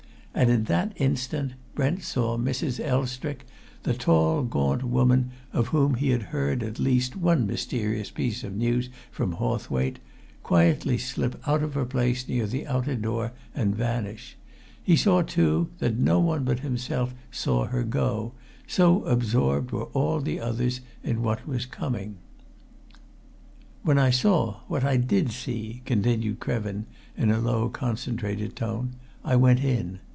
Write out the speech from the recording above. And, in that instant, Brent saw Mrs. Elstrick, the tall gaunt woman of whom he had heard at least one mysterious piece of news from Hawthwaite, quietly slip out of her place near the outer door and vanish; he saw too that no one but himself saw her go, so absorbed were all others in what was coming. "When I saw what I did see," continued Krevin, in a low, concentrated tone, "I went in.